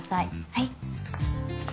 はい。